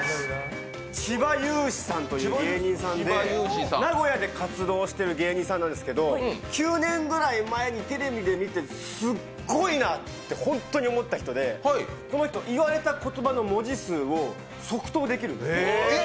チバユウシさんという芸人さんで名古屋で活動している芸人さんですけど、９年ぐらい前にテレビで見てすっごいなってほんとに思った人でこの人、言われた言葉の文字数を即答できるんです。